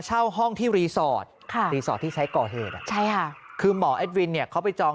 เช่าห้องที่รีสอร์ทที่ใช้ก่อเหตุคือหมอแอดวินเขาไปจอง